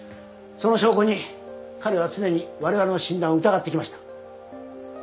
その証拠に彼は常にわれわれの診断を疑ってきました。